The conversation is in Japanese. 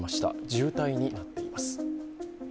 重体になっています。